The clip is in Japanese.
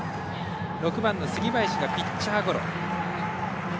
６番の杉林がピッチャーゴロ。